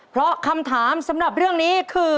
เพราะคำถามสำหรับเรื่องนี้คือ